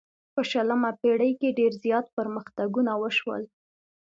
په شلمه پیړۍ کې ډیر زیات پرمختګونه وشول.